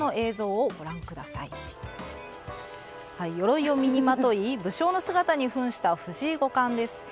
鎧を身にまとい武将の姿にふんした藤井五冠です。